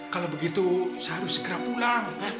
kalau begitu saya harus segera pulang